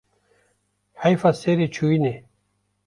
Heyfa serê çûyînê